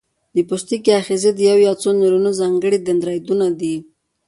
د پوستکي آخذې د یو یا څو نیورونونو ځانګړي دندرایدونه دي.